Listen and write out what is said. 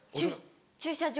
駐車場